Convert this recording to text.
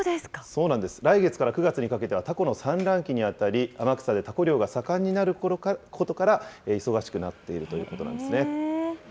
そうなんです、来月から９月にかけては、タコの産卵期に当たり、天草でタコ漁が盛んになることから、忙しくなっているということなんですね。